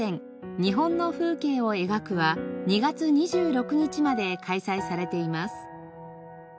「日本の風景を描く」は２月２６日まで開催されています。